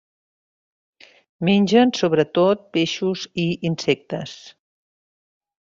Mengen sobretot peixos i insectes.